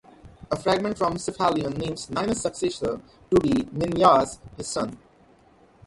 A fragment from Cephalion names Ninus' successor to be Ninyas, his son.